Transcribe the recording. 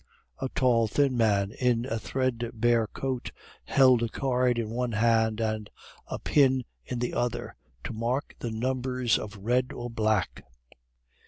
A tall, thin man, in a threadbare coat, held a card in one hand, and a pin in the other, to mark the numbers of Red or Black.